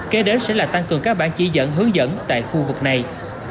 kế đến sẽ là tăng cường các bản chỉ dẫn hướng dẫn tại khu vực này